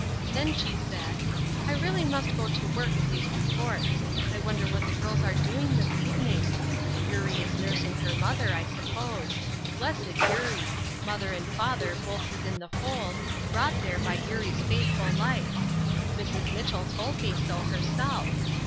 Then she said, "I really must go to work at these reports. I wonder what the girls are doing this evening? Eurie is nursing her mother, I suppose. Blessed Eurie! mother and father both within the fold, brought there by Eurie's faithful life. Mrs. Mitchell told me so, herself.